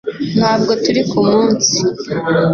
ntabwo turi ku munsi